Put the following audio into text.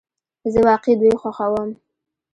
زه واقعی دوی خوښوم